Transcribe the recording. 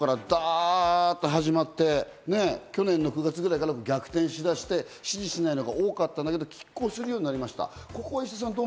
支持するっていうところからバッと始まって、去年の９月ぐらいから逆転しだして、支持しないほうが多かったんだけど、拮抗するようになりました。